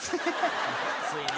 きついな。